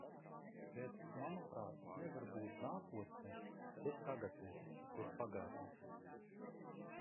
Bet, manuprāt, nevar būt nākotnes bez tagadnes, bez pagātnes.